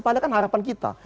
padahal kan harapan kita